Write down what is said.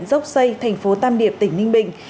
dốc xây tp tam điệp tỉnh ninh bình